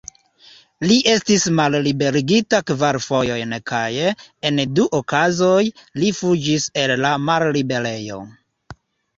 Li estis malliberigita kvar fojojn kaj, en du okazoj, li fuĝis el la malliberejo.